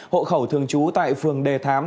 hộ khẩu thường trú tại phường đề thám